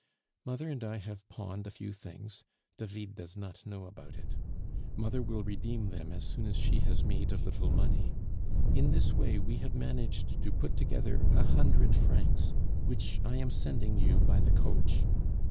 Mother and I have pawned a few things; David does not know about it, mother will redeem them as soon as she has made a little money. In this way we have managed to put together a hundred francs, which I am sending you by the coach.